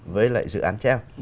với lại dự án treo